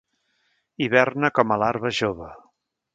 Hiberna com a larva jove.